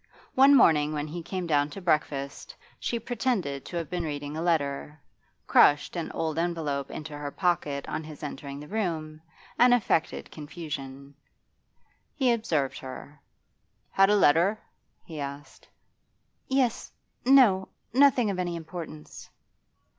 One morning when he came down to breakfast she pretended to have been reading a letter, crushed an old envelope into her pocket on his entering the room, and affected confusion. He observed her. 'Had a letter?' he asked. 'Yes no. Nothing of any importance.